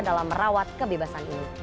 dalam merawat kebebasan ini